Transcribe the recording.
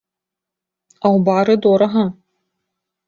А ў бары дорага.